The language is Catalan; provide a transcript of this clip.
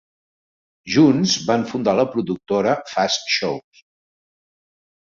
Junts van fundar la productora Fast Shoes.